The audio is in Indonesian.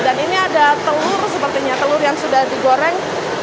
ini ada telur sepertinya telur yang sudah digoreng